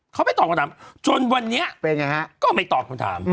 เขาไม่ตอบคำถามจนวันนี้ก็ไม่ตอบคำถาม